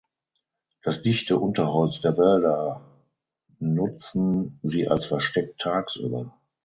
Das dichte Unterholz der Wälder nutzen sie als Versteck tagsüber.